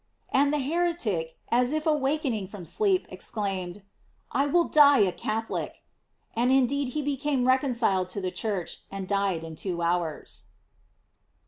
And the heretic, as if awakened from sleep, exclaimed,"! will die a Catholic;" and indeed he became reconciled to the Church, and died in two hours.